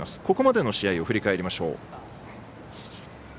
ここまでの試合を振り返りましょう。